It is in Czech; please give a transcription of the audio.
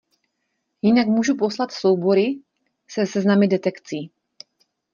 Jinak můžu poslat soubory se seznamy detekcí.